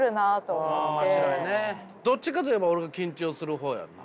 どっちかといえば俺は緊張する方やんな。